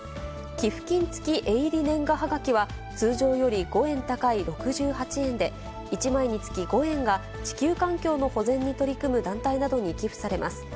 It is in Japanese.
寄付金付絵入り年賀はがきは、通常より５円高い６８円で、１枚につき５円が地球環境の保全に取り組む団体などに寄付されます。